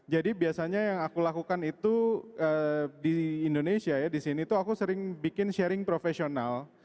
jadi biasanya yang aku lakukan itu di indonesia ya di sini tuh aku sering bikin sharing profesional